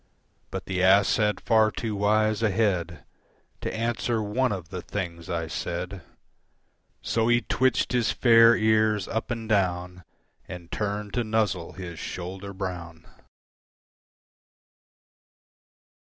But the ass had far too wise a head To answer one of the things I said, So he twitched his fair ears up and down And turned to nuzzle his shoulder brown.